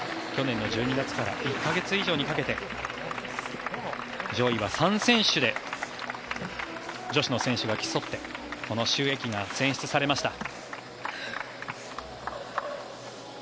去年の１２月から１か月以上にかけて上位は３選手で女子の選手が競ってこの朱易が選出されました。